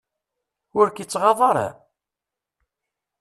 Ur k-ittɣaḍ ara?